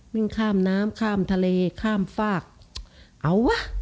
วิ่งข้ามน้ำข้ามทะเลข้ามฝากเอาวะ